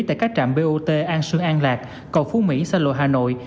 tại các trạm bot an sương an lạc cầu phú mỹ sa lộ hà nội